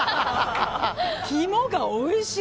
肝がおいしい！